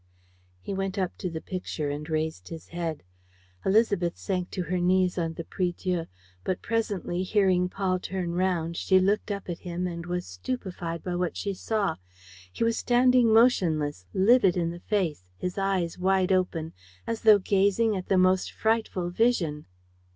He went up to the picture and raised his head. Élisabeth sank to her knees on the prie Dieu. But presently, hearing Paul turn round, she looked up at him and was stupefied by what she saw. He was standing motionless, livid in the face, his eyes wide open, as though gazing at the most frightful vision.